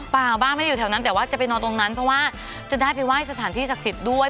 เปล่าบ้างไม่ได้อยู่แถวนั้นแต่ว่าจะไปนอนตรงนั้นเพราะว่าจะได้ไปไหว้สถานที่ศักดิ์สิทธิ์ด้วย